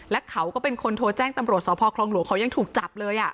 และเขาก็เป็นคนโทรแจ้งตำรวจสพคลองหลวงเขายังถูกจับเลย